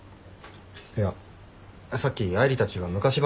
いやさっき愛梨たちが昔話してただろ。